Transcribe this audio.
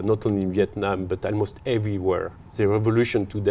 và tôi nghĩ việc vận dụng hiệu quả